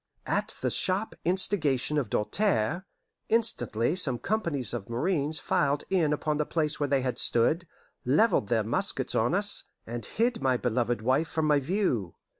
At the sharp instigation of Doltaire, instantly some companies of marines filed in upon the place where they had stood, leveled their muskets on us, and hid my beloved wife from my view.